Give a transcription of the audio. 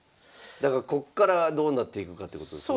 だからこっからどうなっていくかってことですね。